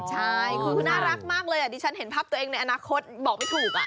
ใช่คือน่ารักมากเลยดิฉันเห็นภาพตัวเองในอนาคตบอกไม่ถูก